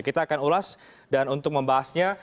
kita akan ulas dan untuk membahasnya